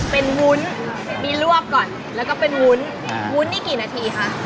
เป็นวุ้นมีลวกก่อนแล้วก็เป็นวุ้นวุ้นนี่กี่นาทีคะ